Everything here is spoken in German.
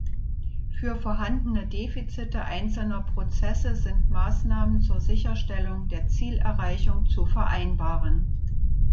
Für vorhandene Defizite einzelner Prozesse sind Maßnahmen zur Sicherstellung der Zielerreichung zu vereinbaren.